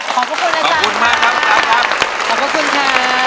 ขอบคุณอาจารย์ค่ะขอบคุณค่ะ